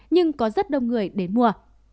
nhưng có rất đông người đến mua